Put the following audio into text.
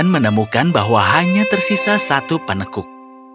menemukan bahwa hanya tersisa satu penekuk